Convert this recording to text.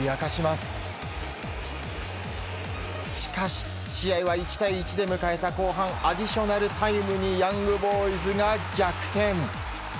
しかし、試合は１対１で迎えた後半アディショナルタイムにヤングボーイズが逆転。